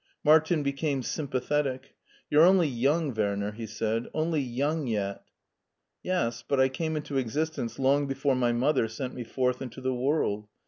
*' Martin became sympathetic You're only young, Werner," he said, " only young yet." "Yes, but I came into existence long before my mother sent me forth into the world.